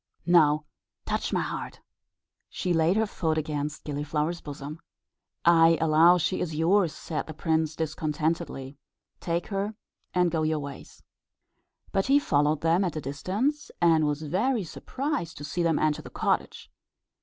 "Now touch my heart." She laid her foot against Gilliflower's bosom. "I allow she is yours," said the prince, discontentedly. "Take her and go your ways." But he followed them at a distance, and was very much surprised to see them enter the cottage.